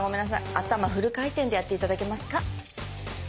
頭フル回転でやって頂けますか？